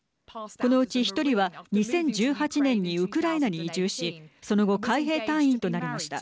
このうち１人は２０１８年にウクライナに移住しその後、海兵隊員となりました。